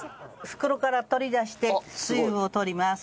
袋から取り出して水分を取ります。